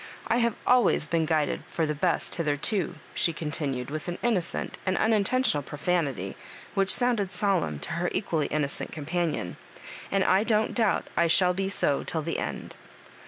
"I have always been guided for the best hitherto," she continued, with an innocent and unintentional pro&nity, which sounded solemn to her equally innocent com panion, " and I don't doubt I shall be so till the end."